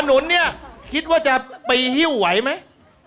นุนเนี่ยคิดว่าจะไปฮิ้วไหวไหม